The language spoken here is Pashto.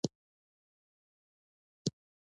پوهه د درک رڼا زیاتوي.